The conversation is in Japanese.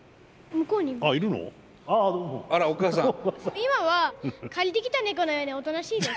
今は借りてきた猫のようにおとなしいです。